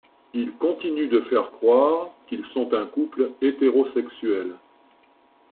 Ils continuent de faire croire qu'ils sont un couple hétérosexuel.